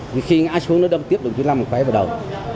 thì khi ngã xuống nó đâm tiếp đồng chí năm một cái vào đầu